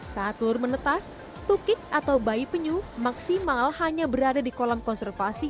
saat telur menetas tukik atau bayi penyu maksimal hanya berada di kolam konservasi